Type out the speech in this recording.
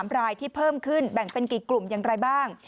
๓รายที่เพิ่มขึ้นแบ่งเป็นกี่กลุ่มอย่างไรบ้าง